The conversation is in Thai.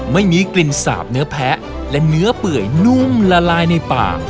ไม่มีกลิ่นสาบเนื้อแพ้และเนื้อเปื่อยนุ่มละลายในปาก